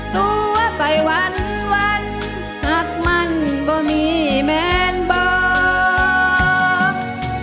ตัวไปวันหักมันบ่มีแมนบอก